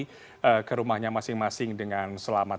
dan warga bisa kembali ke rumahnya masing masing dengan selamat